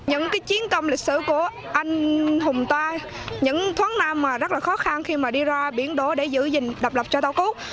những cái chiến công lịch sử của anh hùng toan những thoáng năm mà rất là khó khăn khi mà đi ra biển đổ để giữ gìn đập lập cho tàu cút